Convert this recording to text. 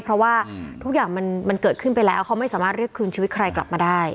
เพราะว่าทุกอย่างมันเกิดขึ้นไปแล้วเขาไม่สามารถเรียกคืนชีวิตใครกลับมาได้